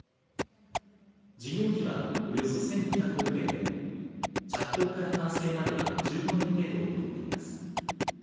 事業費はおよそ１５００億円で着工から完成までは１５年程度を見込んでいます。